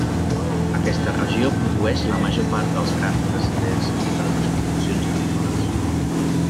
Aquesta regió produeix la major part dels grans brasilers i de les exportacions agrícoles.